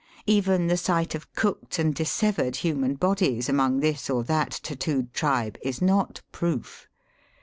Even the sight of cooked and dissevered human bodies among this or that tattoo'd tribe, is not proof.